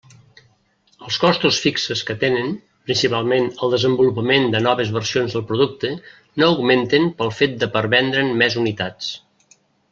Els costos fixos que tenen, principalment el desenvolupament de noves versions del producte, no augmenten pel fet de per vendre'n més unitats.